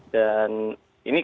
dan ini kan